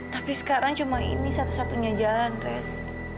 tapi sekarang cuma ini satu satunya jalan terus